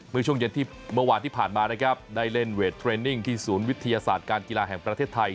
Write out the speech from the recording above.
เมื่อช่วงเย็นที่เมื่อวานที่ผ่านมานะครับได้เล่นเวทเทรนนิ่งที่ศูนย์วิทยาศาสตร์การกีฬาแห่งประเทศไทย